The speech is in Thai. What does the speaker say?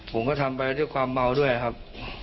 ผมก็ทำไปด้วยความเมาด้วยครับ